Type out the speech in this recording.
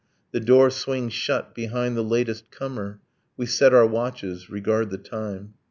The door swings shut behind the latest comer. We set our watches, regard the time.